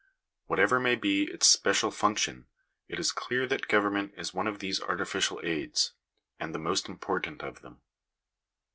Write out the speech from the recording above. Whatever may be its special func tion, it is clear that government is one of these artificial aids ; and the most important of them.